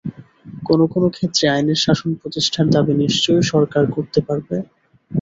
কোনো কোনো ক্ষেত্রে আইনের শাসন প্রতিষ্ঠার দাবি নিশ্চয়ই সরকার করতে পারবে।